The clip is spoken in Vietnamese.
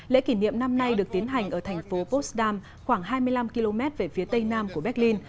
lễ kỷ niệm năm nay được tiến hành ở thành phố potsdam khoảng hai mươi năm km về phía tây nam của berlin